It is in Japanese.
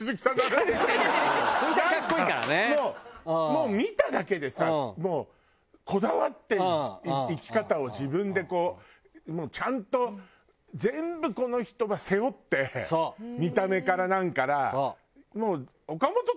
もう見ただけでさこだわって生き方を自分でこうちゃんと全部この人が背負って見た目から何から。